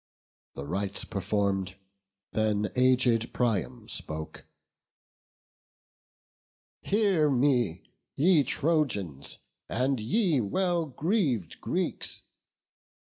The rites perform'd, then aged Priam spoke: "Hear me, ye Trojans, and ye well greav'd Greeks!